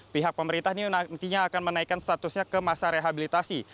pihak pemerintah ini nantinya akan menaikkan statusnya ke masa rehabilitasi